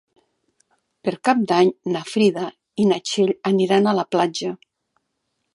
Per Cap d'Any na Frida i na Txell aniran a la platja.